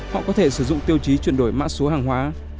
họ có thể sử dụng tiêu chí chuyển đổi mã số hàng hóa